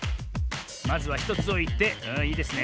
まずは１つおいていいですね。